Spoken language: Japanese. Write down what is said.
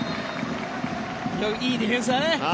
いいディフェンスだね。